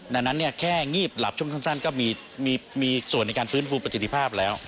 ดังนั้นแค่งีบหลับช่วงสั้นก็มีส่วนในการฟื้นฟูประสิทธิภาพแล้ว